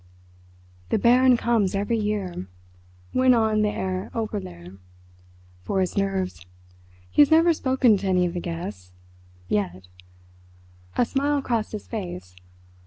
"The Baron comes every year," went on the Herr Oberlehrer, "for his nerves. He has never spoken to any of the guests—yet." A smile crossed his face.